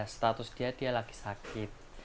status dia dia lagi sakit